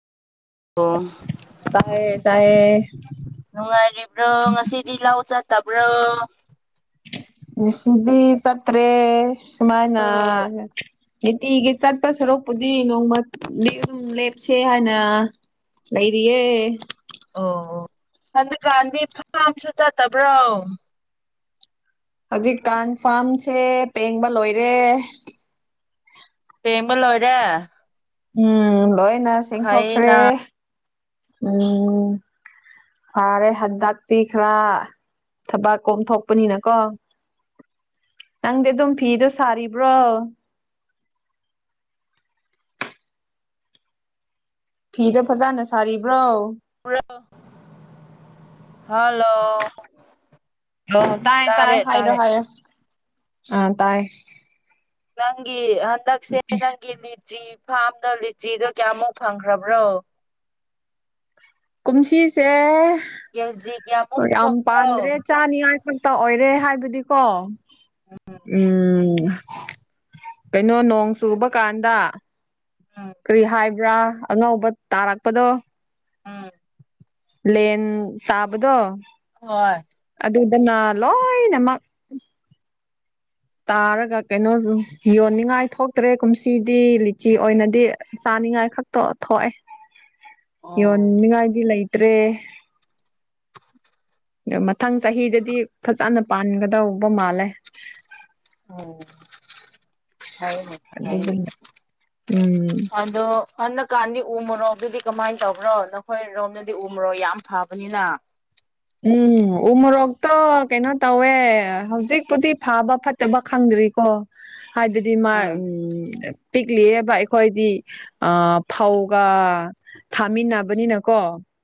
ꯑꯣ ꯇꯥꯏꯌꯦ ꯇꯥꯏꯌꯦ ꯅꯨꯡꯉꯥꯏꯔꯤꯕ꯭ꯔꯣ ꯉꯁꯤ ꯗꯤ ꯂꯧ ꯆꯠꯇꯕ꯭ꯔꯣ ꯉꯁꯤꯗꯤ ꯆꯠꯇ꯭ꯔꯦ ꯁꯨꯃꯥꯏꯅ ꯑꯣ ꯅꯨꯡꯇꯤꯒꯤ ꯆꯠꯄ ꯁꯔꯨꯛꯄꯨꯗꯤ ꯅꯣꯡꯃꯗꯤ ꯑꯗꯨꯝ ꯂꯦꯞꯁꯦ ꯍꯥꯏꯅ ꯂꯩꯔꯤꯌꯦ ꯑꯣ ꯍꯟꯗꯀꯥꯟꯗꯤ [unintelligible] ꯆꯠꯇꯕ꯭ꯔꯣ ꯍꯧꯖꯤꯛ ꯀꯥꯟ ꯐꯥꯔꯝꯁꯦ ꯄꯦꯡꯕ ꯂꯣꯏꯔꯦ ꯄꯦꯡꯕ ꯂꯣꯏꯔꯦ ꯎꯝ ꯂꯣꯏꯅ ꯐꯩꯌꯦꯅ ꯆꯤꯡꯊꯣꯛꯈ꯭ꯔꯦ ꯎꯝ ꯐꯔꯦ ꯍꯟꯗꯛꯇꯤ ꯈꯔꯥ ꯊꯕꯛ ꯀꯣꯝꯊꯣꯛꯄꯅꯤꯅꯀꯣ ꯅꯪꯗꯤ ꯑꯗꯨꯝ ꯐꯤꯗꯣ ꯁꯥꯔꯤꯕ꯭ꯔꯣ ꯐꯤꯗꯣ ꯐꯖꯅ ꯁꯥꯔꯤꯕ꯭ꯔꯣ [unintelligible] ꯍꯜꯂꯣ ꯑꯣ ꯇꯥꯏ ꯇꯥꯏ ꯇꯥꯔꯦ ꯍꯥꯏꯔꯣ ꯇꯥꯔꯦ ꯍꯥꯏꯔꯣ ꯑ ꯇꯥꯏ ꯅꯪꯒꯤ ꯍꯟꯗꯛꯁꯦ ꯅꯪꯒꯤ ꯃꯤꯠ ꯂꯤꯆꯤ ꯐꯥꯝꯗꯣ ꯂꯤꯆꯤꯗꯣ ꯀꯌꯥꯃꯨꯛ ꯐꯪꯈ꯭ꯔꯕ꯭ꯔꯣ ꯀꯨꯝꯁꯤꯁꯦ ꯀꯦꯖꯤ ꯀꯌꯥꯃꯨꯛ ꯍꯣꯏ ꯌꯥꯝ ꯊꯣꯛꯄ꯭ꯔꯣ ꯄꯥꯟꯗ꯭ꯔꯦ ꯆꯥꯅꯤꯉꯥꯏ [unintelligible] ꯑꯣꯏꯔꯦ ꯍꯥꯏꯕꯗꯤꯀꯣ ꯎꯝ ꯀꯩꯅꯣ ꯅꯣꯡ ꯆꯨꯕ ꯀꯥꯟꯗ ꯎꯝ ꯀꯔꯤ ꯍꯥꯏ ꯭ꯔꯥ ꯑꯅꯧꯕ ꯇꯥꯔꯛꯄꯗꯣ ꯎꯝ ꯂꯦꯟ ꯇꯥꯕꯗꯣ ꯍꯣꯏ ꯑꯗꯨꯗꯅ ꯂꯣꯏꯅꯃꯛ ꯇꯥꯔꯒ ꯀꯩꯅꯣ ꯌꯣꯟꯅꯤꯡꯉꯥꯏ ꯊꯣꯛꯇ꯭ꯔꯦ ꯀꯨꯝꯁꯤꯗꯤ ꯂꯤꯆꯤ ꯑꯣꯏꯅꯗꯤ ꯆꯥꯅꯤꯡꯉꯥꯏ ꯈꯛ ꯇꯣ ꯊꯣꯛꯑꯦ [inaudible] ꯑꯣ ꯌꯣꯟꯅꯤꯡꯉꯥꯏꯗꯤ ꯂꯩꯇ꯭ꯔꯦ ꯑ ꯃꯊꯪ ꯆꯍꯤꯗꯗꯤ ꯐꯖꯅ ꯄꯥꯟꯒꯗꯧꯕ ꯃꯥꯜꯂꯦ ꯑꯣ ꯐꯩꯅꯦ ꯐꯩꯅꯦ ꯑꯗꯨꯒꯨꯝꯅ ꯎꯝ [unintelligible] ꯑꯗꯣ [unintelligible] ꯀꯥꯟꯗꯤ ꯎꯃꯣꯛꯀꯗꯨꯗꯤ ꯀꯃꯥꯏꯅ ꯇꯧꯕ꯭ꯔꯣ ꯅꯈꯣꯏꯔꯣꯝꯗꯗꯤ ꯎ ꯃꯔꯣꯛ ꯌꯥꯝ ꯐꯕꯅꯤꯅ ꯎꯝ ꯎꯃꯣꯔꯣꯛꯇꯣ ꯀꯩꯅꯣ ꯇꯧꯋꯦ ꯍꯧꯖꯤꯛꯄꯨꯗꯤ ꯐꯥꯕ ꯐꯠꯇꯕ ꯈꯪꯗ꯭ꯔꯤꯀꯣ ꯍꯥꯏꯕꯗꯤ ꯃꯥ ꯎꯝ ꯄꯤꯛꯂꯤꯑꯦꯕ ꯑꯩꯈꯣꯏꯗꯤ ꯐꯧꯒ ꯊꯥꯃꯤꯟꯅꯕꯅꯤꯅ ꯀꯣ